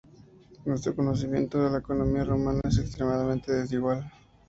Nuestro conocimiento de la economía romana es extremadamente desigual.